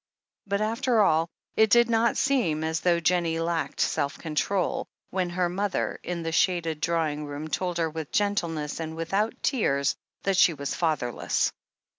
But, after all, it did not seem as though Jennie lacked self control, when her mother, in the shaded drawing room, told her with gentleness and without tears that she was fatherless.